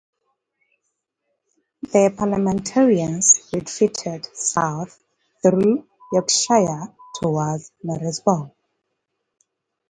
The Parliamentarians retreated south through Yorkshire towards Knaresborough.